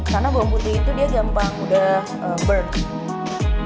karena bawang putih itu dia gampang udah burn